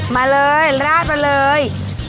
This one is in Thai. มาเลยราดกันเลย